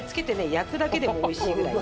焼くだけでもおいしいぐらい。